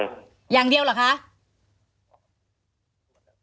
อย่างเดียวเหรอคะ